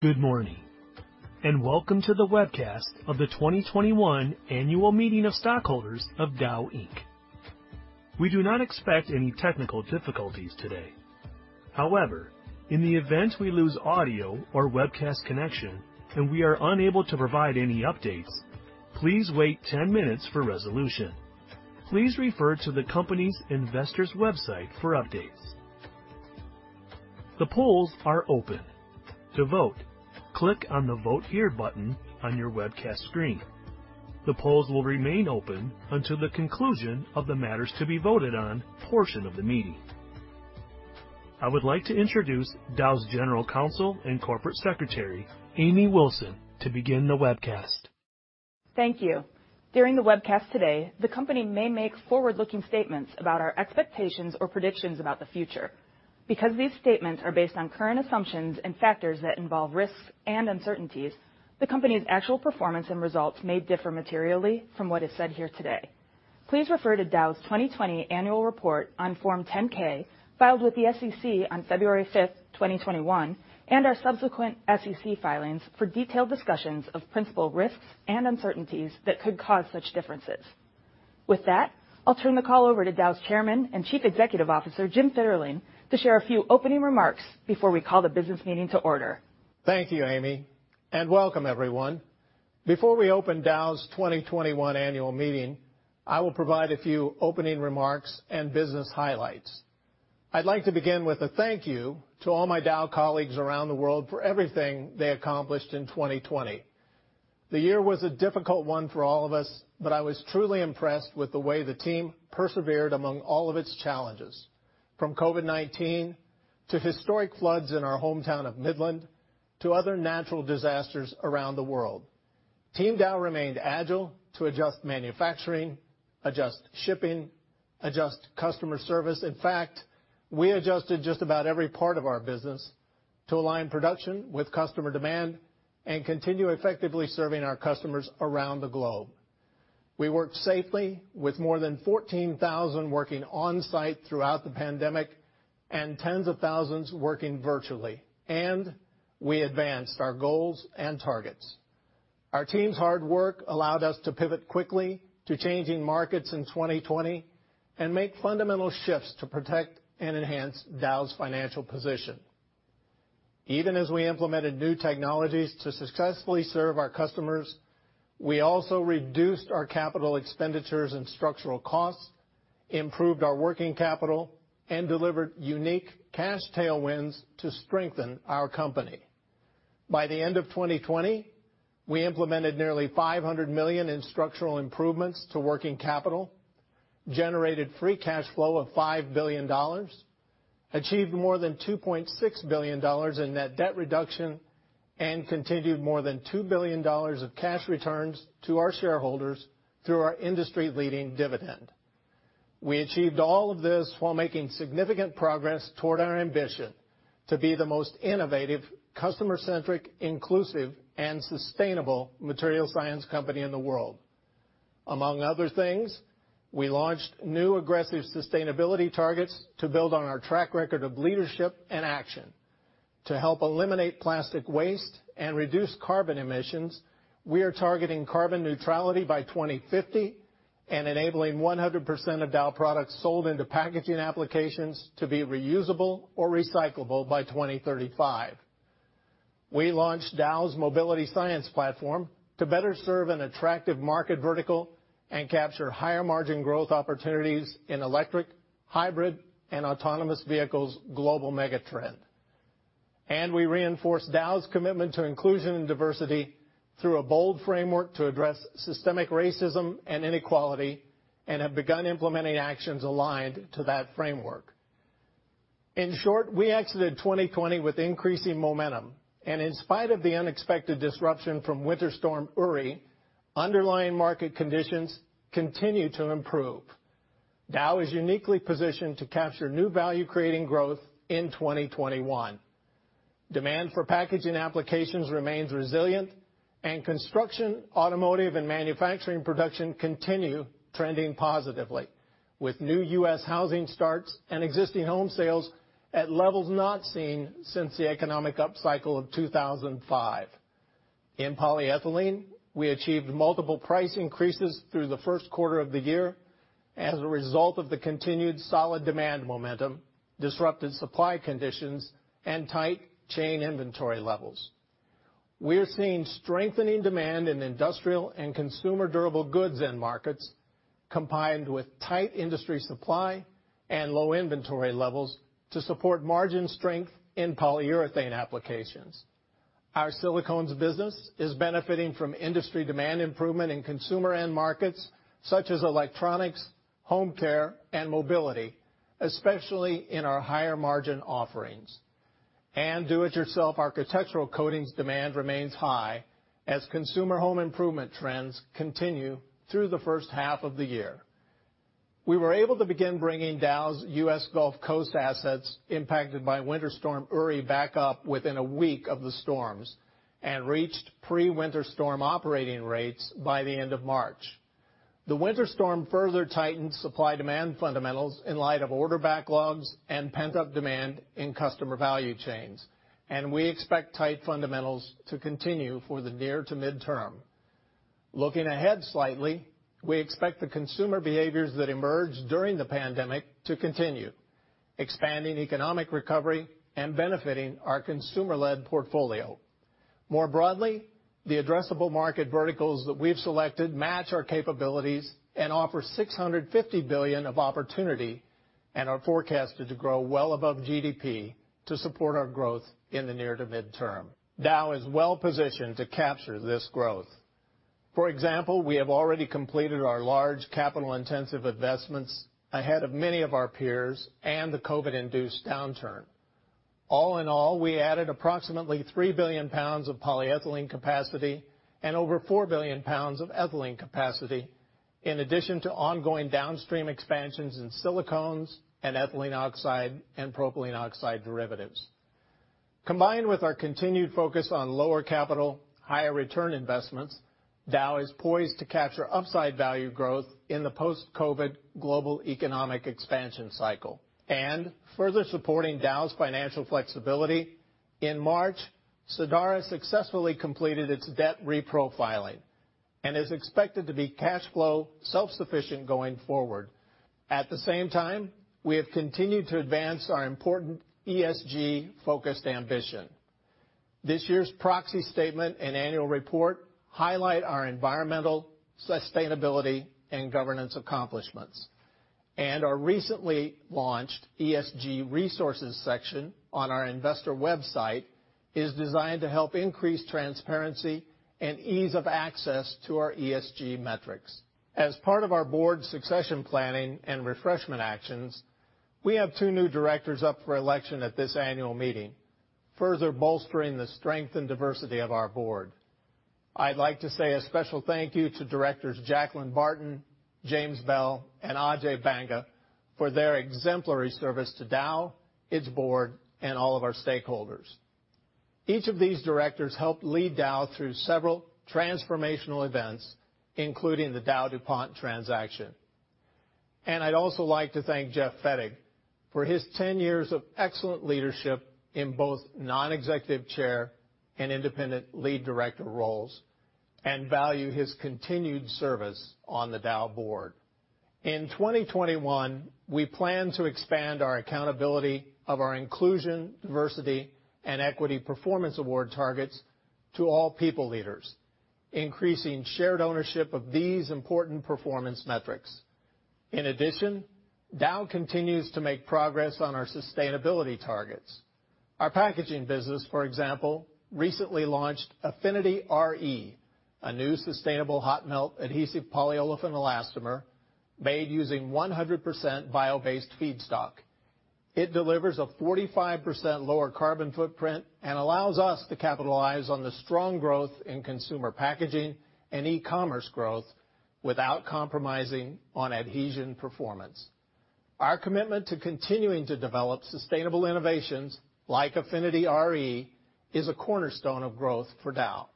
Good morning, and welcome to the webcast of the 2021 annual meeting of stockholders of Dow Inc. We do not expect any technical difficulties today. However, in the event we lose audio or webcast connection and we are unable to provide any updates, please wait 10 minutes for resolution. Please refer to the company's investors' website for updates. The polls are open. To vote, click on the Vote Here button on your webcast screen. The polls will remain open until the conclusion of the matters to be voted on portion of the meeting. I would like to introduce Dow's General Counsel and Corporate Secretary, Amy Wilson, to begin the webcast. Thank you. During the webcast today, the company may make forward-looking statements about our expectations or predictions about the future. Because these statements are based on current assumptions and factors that involve risks and uncertainties, the company's actual performance and results may differ materially from what is said here today. Please refer to Dow's 2020 annual report on Form 10-K, filed with the SEC on February 5th, 2021, and our subsequent SEC filings for detailed discussions of principal risks and uncertainties that could cause such differences. With that, I'll turn the call over to Dow's Chairman and Chief Executive Officer, Jim Fitterling, to share a few opening remarks before we call the business meeting to order. Thank you, Amy. Welcome, everyone. Before we open Dow's 2021 annual meeting, I will provide a few opening remarks and business highlights. I'd like to begin with a thank you to all my Dow colleagues around the world for everything they accomplished in 2020. The year was a difficult one for all of us, but I was truly impressed with the way the team persevered among all of its challenges, from COVID-19 to historic floods in our hometown of Midland, to other natural disasters around the world. Team Dow remained agile to adjust manufacturing, adjust shipping, adjust customer service. In fact, we adjusted just about every part of our business to align production with customer demand and continue effectively serving our customers around the globe. We worked safely with more than 14,000 working on-site throughout the pandemic and tens of thousands working virtually, and we advanced our goals and targets. Our team's hard work allowed us to pivot quickly to changing markets in 2020 and make fundamental shifts to protect and enhance Dow's financial position. Even as we implemented new technologies to successfully serve our customers, we also reduced our capital expenditures and structural costs, improved our working capital, and delivered unique cash tailwinds to strengthen our company. By the end of 2020, we implemented nearly $500 million in structural improvements to working capital, generated free cash flow of $5 billion, achieved more than $2.6 billion in net debt reduction, and continued more than $2 billion of cash returns to our shareholders through our industry-leading dividend. We achieved all of this while making significant progress toward our ambition to be the most innovative, customer-centric, inclusive, and sustainable material science company in the world. Among other things, we launched new aggressive sustainability targets to build on our track record of leadership and action. To help eliminate plastic waste and reduce carbon emissions, we are targeting carbon neutrality by 2050 and enabling 100% of Dow products sold into packaging applications to be reusable or recyclable by 2035. We launched Dow's MobilityScience Platform to better serve an attractive market vertical and capture higher margin growth opportunities in electric, hybrid, and autonomous vehicles global mega trend. We reinforced Dow's commitment to inclusion and diversity through a bold framework to address systemic racism and inequality and have begun implementing actions aligned to that framework. In short, we exited 2020 with increasing momentum, and in spite of the unexpected disruption from Winter Storm Uri, underlying market conditions continue to improve. Dow is uniquely positioned to capture new value-creating growth in 2021. Demand for packaging applications remains resilient, and construction, automotive, and manufacturing production continue trending positively. With new U.S. housing starts and existing home sales at levels not seen since the economic upcycle of 2005. In polyethylene, we achieved multiple price increases through the first quarter of the year as a result of the continued solid demand momentum, disrupted supply conditions, and tight chain inventory levels. We're seeing strengthening demand in industrial and consumer durable goods end markets, combined with tight industry supply and low inventory levels to support margin strength in polyurethane applications. Our silicones business is benefiting from industry demand improvement in consumer end markets such as electronics, home care, and mobility, especially in our higher margin offerings. Do-it-yourself architectural coatings demand remains high as consumer home improvement trends continue through the first half of the year. We were able to begin bringing Dow's U.S. Gulf Coast assets impacted by Winter Storm Uri back up within a week of the storm and reached pre-winter storm operating rates by the end of March. The winter storm further tightened supply-demand fundamentals in light of order backlogs and pent-up demand in customer value chains, and we expect tight fundamentals to continue for the near to midterm. Looking ahead slightly, we expect the consumer behaviors that emerged during the pandemic to continue, expanding economic recovery and benefiting our consumer-led portfolio. More broadly, the addressable market verticals that we've selected match our capabilities and offer $650 billion of opportunity and are forecasted to grow well above GDP to support our growth in the near to midterm. Dow is well-positioned to capture this growth. For example, we have already completed our large capital-intensive investments ahead of many of our peers and the COVID-induced downturn. All in all, we added approximately 3 billion lbs of polyethylene capacity and over 4 billion lbs of ethylene capacity, in addition to ongoing downstream expansions in silicones and ethylene oxide and propylene oxide derivatives. Combined with our continued focus on lower capital, higher return investments, Dow is poised to capture upside value growth in the post-COVID global economic expansion cycle. Further supporting Dow's financial flexibility, in March, Sadara successfully completed its debt reprofiling and is expected to be cash flow self-sufficient going forward. At the same time, we have continued to advance our important ESG-focused ambition. This year's proxy statement and annual report highlight our environmental, sustainability, and governance accomplishments. Our recently launched ESG resources section on our investor website is designed to help increase transparency and ease of access to our ESG metrics. As part of our board succession planning and refreshment actions, we have two new directors up for election at this annual meeting, further bolstering the strength and diversity of our board. I'd like to say a special thank you to Directors Jacqueline Barton, James Bell, and Ajay Banga for their exemplary service to Dow, its board, and all of our stakeholders. Each of these directors helped lead Dow through several transformational events, including the DowDuPont transaction. I'd also like to thank Jeff Fettig for his 10 years of excellent leadership in both non-executive chair and independent lead director roles, and value his continued service on the Dow board. In 2021, we plan to expand our accountability of our inclusion, diversity, and equity performance award targets to all people leaders, increasing shared ownership of these important performance metrics. In addition, Dow continues to make progress on our sustainability targets. Our packaging business, for example, recently launched Affinity RE, a new sustainable hot melt adhesive polyolefin elastomer made using 100% bio-based feedstock. It delivers a 45% lower carbon footprint and allows us to capitalize on the strong growth in consumer packaging and e-commerce growth without compromising on adhesion performance. Our commitment to continuing to develop sustainable innovations like Affinity RE is a cornerstone of growth for Dow.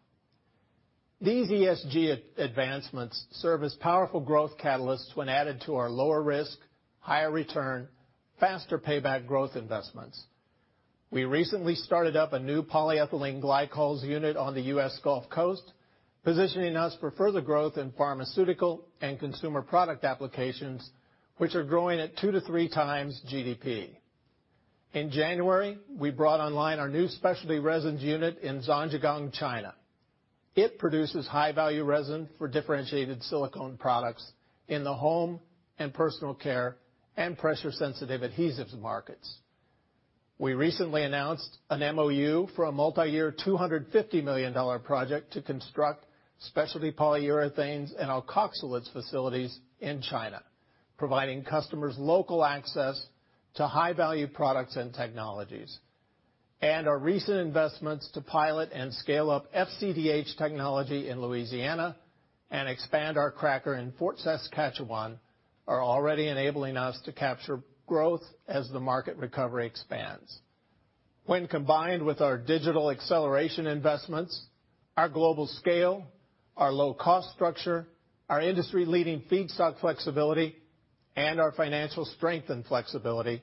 These ESG advancements serve as powerful growth catalysts when added to our lower risk, higher return, faster payback growth investments. We recently started up a new polyethylene glycols unit on the U.S. Gulf Coast, positioning us for further growth in pharmaceutical and consumer product applications, which are growing at two to three times GDP. In January, we brought online our new specialty resins unit in Zhangjiagang, China. It produces high-value resin for differentiated silicone products in the home and personal care and pressure-sensitive adhesives markets. We recently announced an MoU for a multi-year $250 million project to construct specialty polyurethanes and alkoxylates facilities in China, providing customers local access to high-value products and technologies. Our recent investments to pilot and scale up FCDH technology in Louisiana and expand our cracker in Fort Saskatchewan are already enabling us to capture growth as the market recovery expands. When combined with our digital acceleration investments, our global scale, our low-cost structure, our industry-leading feedstock flexibility, and our financial strength and flexibility,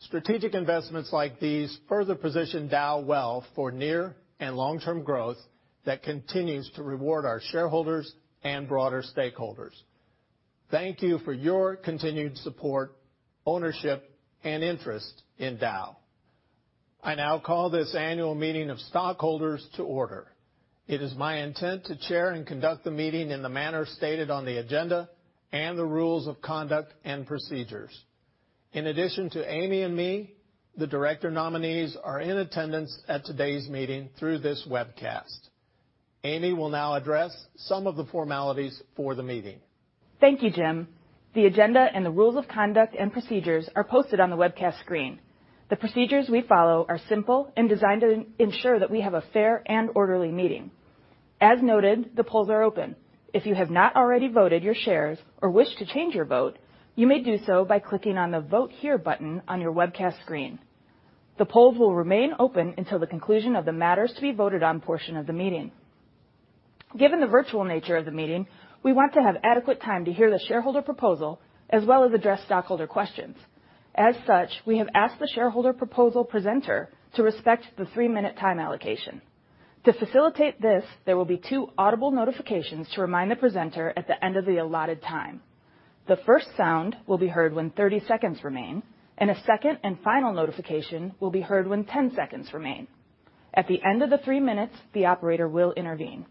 strategic investments like these further position Dow well for near and long-term growth that continues to reward our shareholders and broader stakeholders. Thank you for your continued support, ownership, and interest in Dow. I now call this annual meeting of stockholders to order. It is my intent to chair and conduct the meeting in the manner stated on the agenda and the rules of conduct and procedures. In addition to Amy and me, the director nominees are in attendance at today's meeting through this webcast. Amy will now address some of the formalities for the meeting. Thank you, Jim. The agenda and the rules of conduct and procedures are posted on the webcast screen. The procedures we follow are simple and designed to ensure that we have a fair and orderly meeting. As noted, the polls are open. If you have not already voted your shares or wish to change your vote, you may do so by clicking on the Vote Here button on your webcast screen. The polls will remain open until the conclusion of the matters to be voted on portion of the meeting. Given the virtual nature of the meeting, we want to have adequate time to hear the shareholder proposal as well as address stockholder questions. As such, we have asked the shareholder proposal presenter to respect the three-minute time allocation. To facilitate this, there will be two audible notifications to remind the presenter at the end of the allotted time. The first sound will be heard when 30 seconds remain, and a second and final notification will be heard when 10 seconds remain. At the end of the three minutes, the operator will intervene.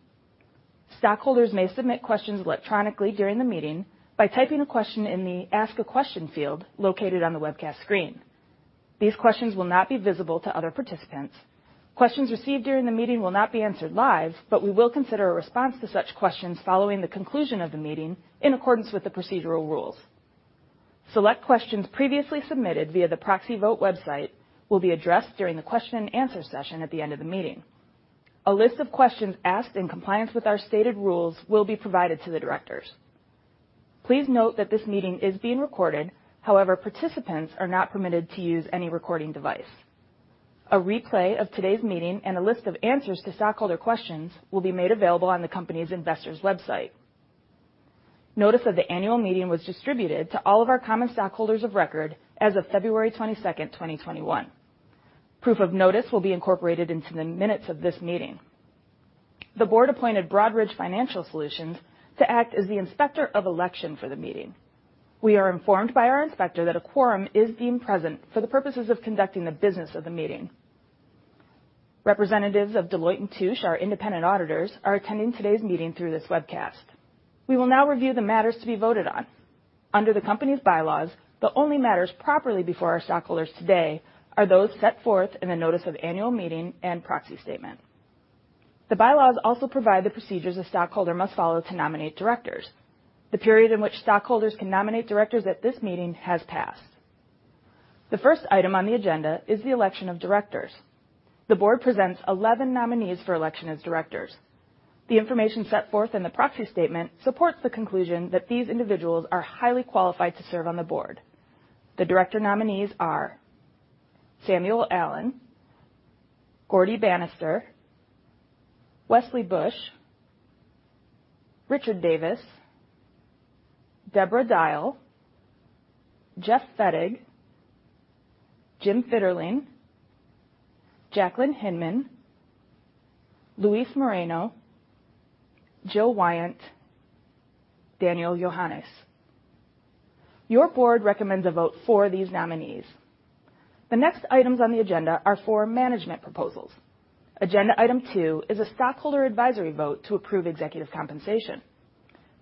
Stockholders may submit questions electronically during the meeting by typing a question in the Ask a Question field located on the webcast screen. These questions will not be visible to other participants. Questions received during the meeting will not be answered live, but we will consider a response to such questions following the conclusion of the meeting in accordance with the procedural rules. Select questions previously submitted via the proxy vote website will be addressed during the question and answer session at the end of the meeting. A list of questions asked in compliance with our stated rules will be provided to the directors. Please note that this meeting is being recorded. However, participants are not permitted to use any recording device. A replay of today's meeting and a list of answers to stockholder questions will be made available on the company's investors' website. Notice of the annual meeting was distributed to all of our common stockholders of record as of February 22nd, 2021. Proof of notice will be incorporated into the minutes of this meeting. The board appointed Broadridge Financial Solutions to act as the inspector of election for the meeting. We are informed by our inspector that a quorum is deemed present for the purposes of conducting the business of the meeting. Representatives of Deloitte & Touche, our independent auditors, are attending today's meeting through this webcast. We will now review the matters to be voted on. Under the company's bylaws, the only matters properly before our stockholders today are those set forth in the notice of annual meeting and proxy statement. The bylaws also provide the procedures a stockholder must follow to nominate directors. The period in which stockholders can nominate directors at this meeting has passed. The first item on the agenda is the election of directors. The board presents 11 nominees for election as directors. The information set forth in the proxy statement supports the conclusion that these individuals are highly qualified to serve on the board. The director nominees are Samuel Allen, Gaurdie Banister, Wesley Bush, Richard Davis, Debra Dial, Jeff Fettig, Jim Fitterling, Jacqueline Hinman, Luis Moreno, Jill Wyant, Daniel Yohannes. Your board recommends a vote for these nominees. The next items on the agenda are for management proposals. Agenda item two is a stockholder advisory vote to approve executive compensation.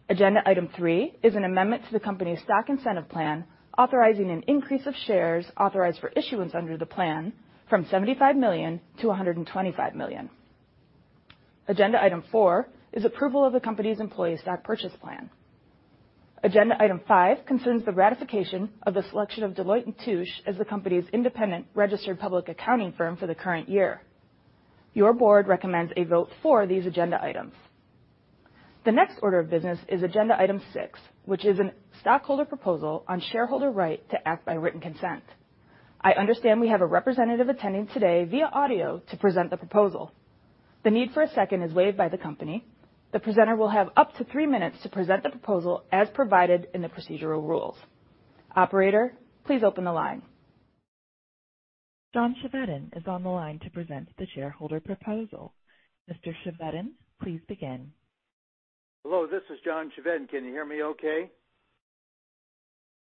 Agenda item three is an amendment to the company's stock incentive plan, authorizing an increase of shares authorized for issuance under the plan from 75 million-125 million. Agenda item four is approval of the company's employee stock purchase plan. Agenda item five concerns the ratification of the selection of Deloitte & Touche as the company's independent registered public accounting firm for the current year. Your board recommends a vote for these agenda items. The next order of business is agenda item six, which is an stockholder proposal on shareholder right to act by written consent. I understand we have a representative attending today via audio to present the proposal. The need for a second is waived by the company. The presenter will have up to three minutes to present the proposal as provided in the procedural rules. Operator, please open the line. John Chevedden is on the line to present the shareholder proposal. Mr. Chevedden, please begin. Hello, this is John Chevedden. Can you hear me okay?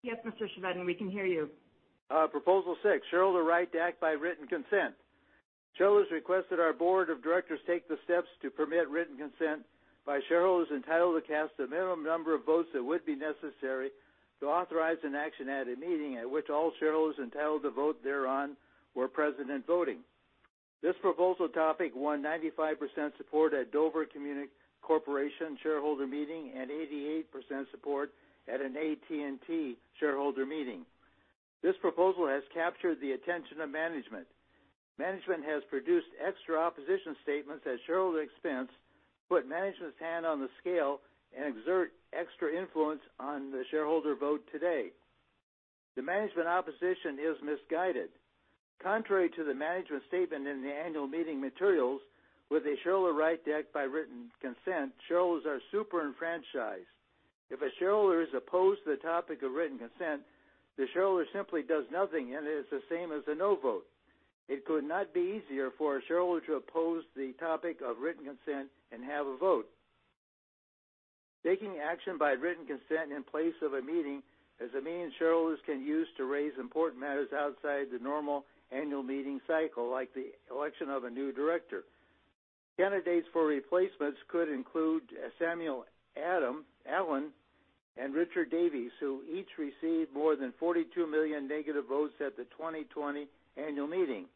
Yes, Mr. Chevedden, we can hear you. Proposal six, shareholder right to act by written consent. Shareholder has requested our board of directors take the steps to permit written consent by shareholders entitled to cast the minimum number of votes that would be necessary to authorize an action at a meeting at which all shareholders entitled to vote thereon were present and voting. This proposal topic won 95% support at Dover Corporation shareholder meeting and 88 support at an AT&T shareholder meeting. This proposal has captured the attention of management. Management has produced extra opposition statements at shareholder expense, put management's hand on the scale, and exert extra influence on the shareholder vote today. The management opposition is misguided. Contrary to the management statement in the annual meeting materials, with a shareholder right to act by written consent, shareholders are super enfranchised. If a shareholder is opposed to the topic of written consent, the shareholder simply does nothing, and it is the same as a no vote. It could not be easier for a shareholder to oppose the topic of written consent and have a vote. Taking action by written consent in place of a meeting is a means shareholders can use to raise important matters outside the normal annual meeting cycle, like the election of a new director. Candidates for replacements could include Samuel Allen and Richard Davis, who each received more than 42 million negative votes at the 2020 annual meeting.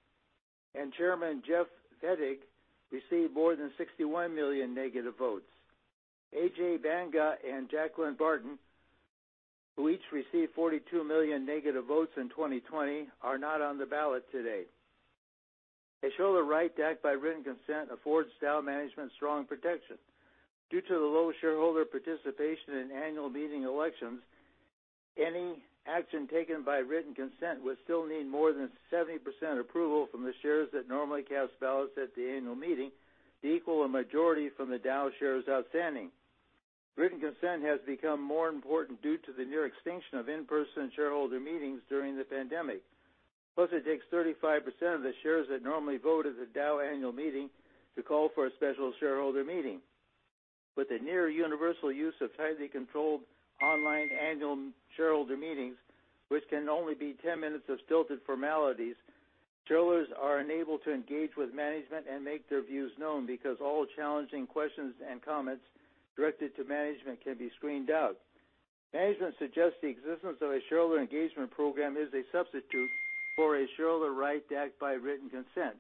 Chairman Jeff Fettig received more than 61 million negative votes. Ajay Banga and Jacqueline Barton, who each received 42 million negative votes in 2020, are not on the ballot today. A shareholder right to act by written consent affords Dow management strong protection. Due to the low shareholder participation in annual meeting elections, any action taken by written consent would still need more than 70% approval from the shares that normally cast ballots at the annual meeting to equal a majority from the Dow shares outstanding. Written consent has become more important due to the near extinction of in-person shareholder meetings during the pandemic. Plus, it takes 35% of the shares that normally vote at the Dow annual meeting to call for a special shareholder meeting. With the near universal use of tightly controlled online annual shareholder meetings, which can only be 10 minutes of stilted formalities, shareholders are unable to engage with management and make their views known because all challenging questions and comments directed to management can be screened out. Management suggests the existence of a shareholder engagement program is a substitute for a shareholder right to act by written consent.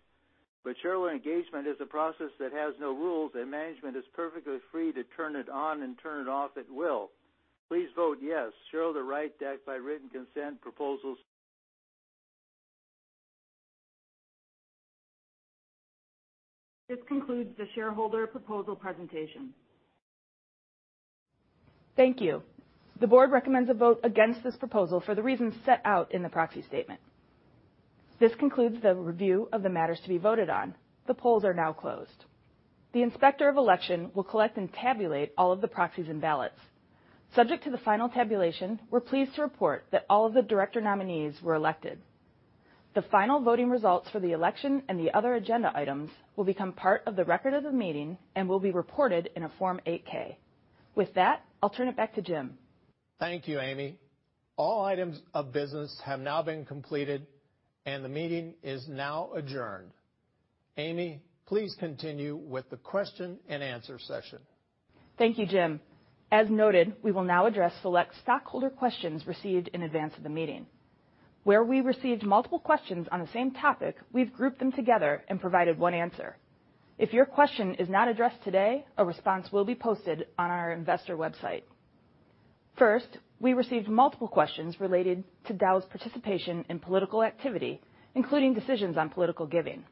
Shareholder engagement is a process that has no rules, and management is perfectly free to turn it on and turn it off at will. Please vote yes. Shareholder right to act by written consent proposals. This concludes the shareholder proposal presentation. Thank you. The board recommends a vote against this proposal for the reasons set out in the proxy statement. This concludes the review of the matters to be voted on. The polls are now closed. The Inspector of Election will collect and tabulate all of the proxies and ballots. Subject to the final tabulation, we're pleased to report that all of the director nominees were elected. The final voting results for the election and the other agenda items will become part of the record of the meeting and will be reported in a Form 8-K. With that, I'll turn it back to Jim. Thank you, Amy. All items of business have now been completed, and the meeting is now adjourned. Amy, please continue with the question and answer session. Thank you, Jim. As noted, we will now address select stockholder questions received in advance of the meeting. Where we received multiple questions on the same topic, we've grouped them together and provided one answer. If your question is not addressed today, a response will be posted on our investor website. First, we received multiple questions related to Dow's participation in political activity, including decisions on political giving.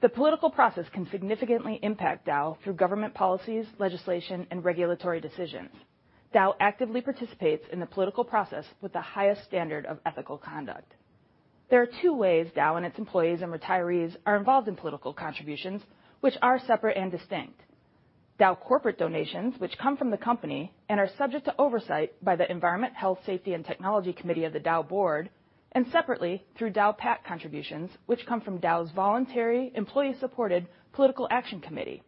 The political process can significantly impact Dow through government policies, legislation, and regulatory decisions. Dow actively participates in the political process with the highest standard of ethical conduct. There are two ways Dow and its employees and retirees are involved in political contributions, which are separate and distinct. Dow corporate donations, which come from the company and are subject to oversight by the Environment, Health, Safety, & Technology Committee of the Dow Board, and separately, through DowPAC contributions, which come from Dow's voluntary employee-supported political action committee.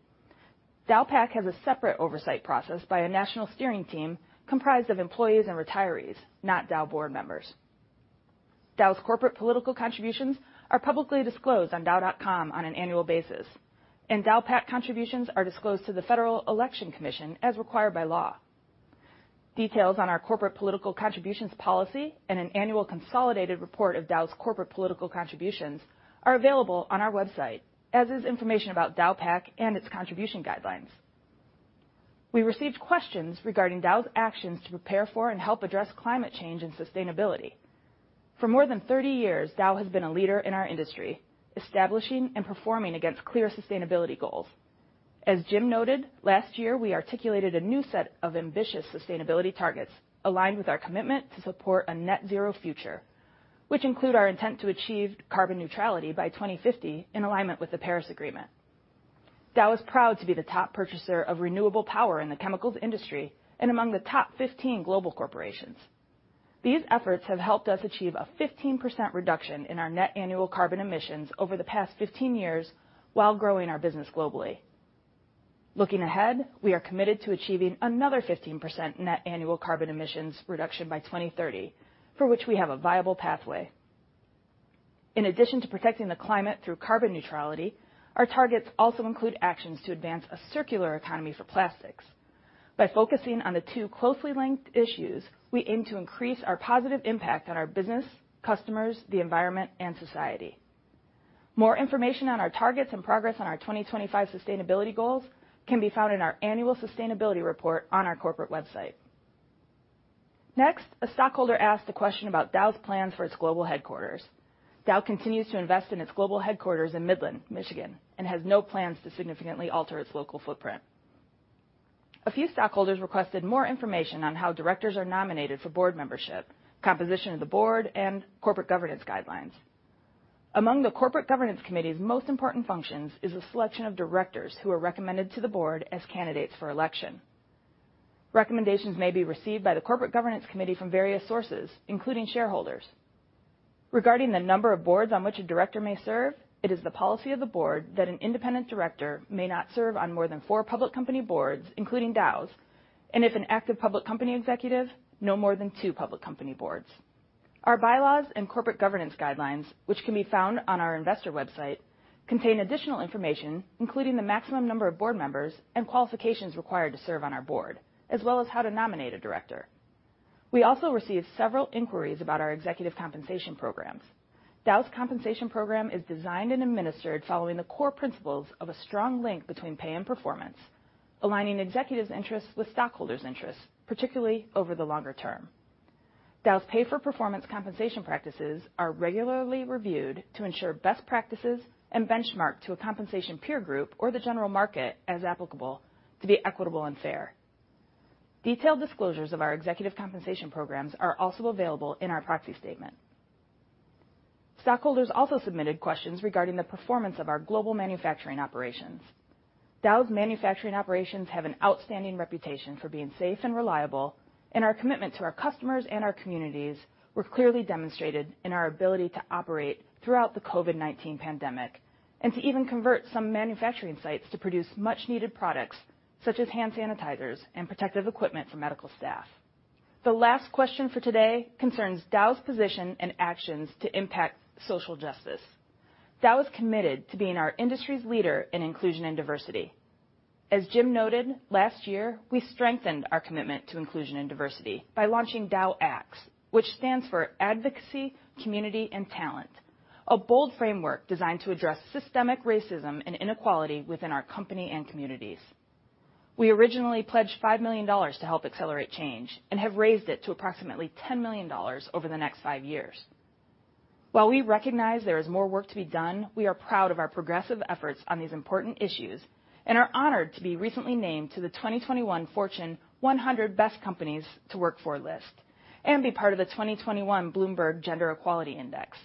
DowPAC has a separate oversight process by a national steering team comprised of employees and retirees, not Dow board members. Dow's corporate political contributions are publicly disclosed on dow.com on an annual basis. DowPAC contributions are disclosed to the Federal Election Commission as required by law. Details on our corporate political contributions policy and an annual consolidated report of Dow's corporate political contributions are available on our website, as is information about DowPAC and its contribution guidelines. We received questions regarding Dow's actions to prepare for and help address climate change and sustainability. For more than 30 years, Dow has been a leader in our industry, establishing and performing against clear sustainability goals. As Jim noted, last year, we articulated a new set of ambitious sustainability targets aligned with our commitment to support a net zero future, which include our intent to achieve carbon neutrality by 2050 in alignment with the Paris Agreement. Dow is proud to be the top purchaser of renewable power in the chemicals industry and among the top 15 global corporations. These efforts have helped us achieve a 15% reduction in our net annual carbon emissions over the past 15 years while growing our business globally. Looking ahead, we are committed to achieving another 15% net annual carbon emissions reduction by 2030, for which we have a viable pathway. In addition to protecting the climate through carbon neutrality, our targets also include actions to advance a circular economy for plastics. By focusing on the two closely linked issues, we aim to increase our positive impact on our business, customers, the environment, and society. More information on our targets and progress on our 2025 sustainability goals can be found in our annual sustainability report on our corporate website. Next, a stockholder asked a question about Dow's plans for its global headquarters. Dow continues to invest in its global headquarters in Midland, Michigan, and has no plans to significantly alter its local footprint. A few stockholders requested more information on how directors are nominated for board membership, composition of the board, and corporate governance guidelines. Among the Corporate Governance Committee's most important functions is the selection of directors who are recommended to the board as candidates for election. Recommendations may be received by the Corporate Governance Committee from various sources, including shareholders. Regarding the number of boards on which a director may serve, it is the policy of the board that an independent director may not serve on more than four public company boards, including Dow's, and if an active public company executive, no more than two public company boards. Our bylaws and corporate governance guidelines, which can be found on our investor website, contain additional information, including the maximum number of board members and qualifications required to serve on our board, as well as how to nominate a director. We also received several inquiries about our executive compensation programs. Dow's compensation program is designed and administered following the core principles of a strong link between pay and performance, aligning executives' interests with stockholders' interests, particularly over the longer term. Dow's pay-for-performance compensation practices are regularly reviewed to ensure best practices and benchmarked to a compensation peer group or the general market as applicable to be equitable and fair. Detailed disclosures of our executive compensation programs are also available in our proxy statement. Stockholders also submitted questions regarding the performance of our global manufacturing operations. Dow's manufacturing operations have an outstanding reputation for being safe and reliable, and our commitment to our customers and our communities were clearly demonstrated in our ability to operate throughout the COVID-19 pandemic, and to even convert some manufacturing sites to produce much-needed products such as hand sanitizers and protective equipment for medical staff. The last question for today concerns Dow's position and actions to impact social justice. Dow is committed to being our industry's leader in inclusion and diversity. As Jim noted, last year, we strengthened our commitment to inclusion and diversity by launching Dow ACTs, which stands for Advocacy, Community, and Talent, a bold framework designed to address systemic racism and inequality within our company and communities. We originally pledged $5 million to help accelerate change and have raised it to approximately $10 million over the next five years. While we recognize there is more work to be done, we are proud of our progressive efforts on these important issues and are honored to be recently named to the 2021 Fortune 100 Best Companies to Work For list and be part of the 2021 Bloomberg Gender-Equality Index.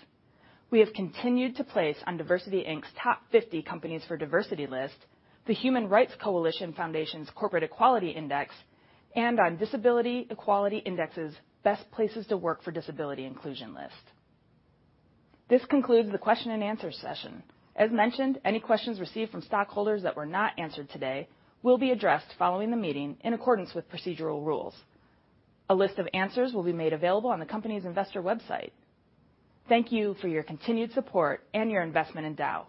We have continued to place on DiversityInc's Top 50 Companies for Diversity list, the Human Rights Campaign Foundation's Corporate Equality Index, and on Disability Equality Index's Best Places to Work for Disability Inclusion list. This concludes the question and answer session. As mentioned, any questions received from stockholders that were not answered today will be addressed following the meeting in accordance with procedural rules. A list of answers will be made available on the company's investor website. Thank you for your continued support and your investment in Dow.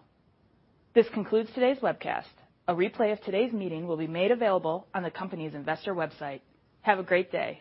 This concludes today's webcast. A replay of today's meeting will be made available on the company's investor website. Have a great day.